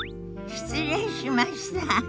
失礼しました。